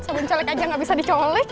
sabun colik aja gak bisa dicolik